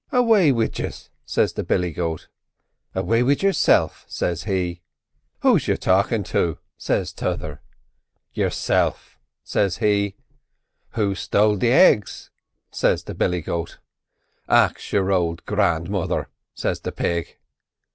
"'Away wid yiz!' says the billy goat. "'Away wid yourself!' says he. "'Whose you talkin' to?' says t'other. "'Yourself,' says him. "'Who stole the eggs?' says the billy goat. "'Ax your ould grandmother!' says the pig.